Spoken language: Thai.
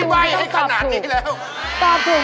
อเรนนี่มันต้องฟังอยู่ค่ะ